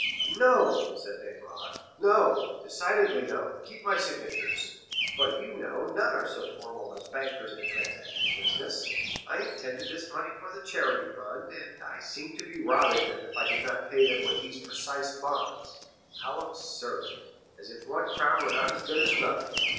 "No," said Danglars, "no, decidedly no; keep my signatures. But you know none are so formal as bankers in transacting business; I intended this money for the charity fund, and I seemed to be robbing them if I did not pay them with these precise bonds. How absurd—as if one crown were not as good as another.